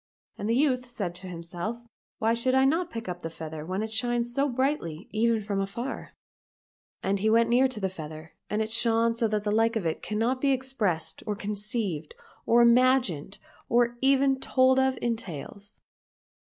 And the youth said to himself, " Why should I not pick up the feather when it shines so brightly even from afar ?" And he went near to the feather, and it shone so that the like of it cannot be expressed or conceived or imagined or even told of in tales.